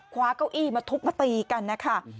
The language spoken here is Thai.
คว้าก้าวอี้มาทุบประตีกันนะคะ